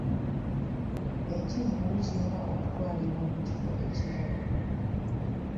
Ekivvulu kirina okutwalibwa mu kifo ekirala.